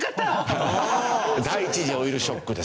第１次オイルショックですよ。